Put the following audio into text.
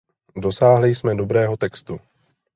Dosáhli jsme dobrého textu.